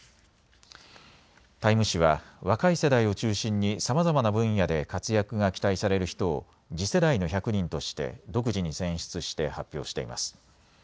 タイム誌は若い世代を中心にさまざまな分野で活躍が期待される人を次世代の１００人として独自に選出して発表しています。